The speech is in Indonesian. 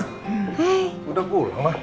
ma udah pulang ma